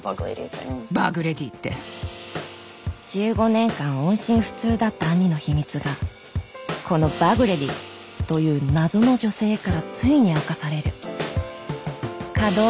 １５年間音信不通だった兄の秘密がこのバグレディという謎の女性からついに明かされるダッド。